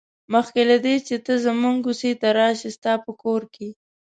مخکې له دې چې ته زموږ کوڅې ته راشې ستا په کور کې.